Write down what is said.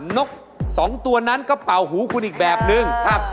นกสองตัวนั้นก็เป่าหูคุณอีกแบบนึง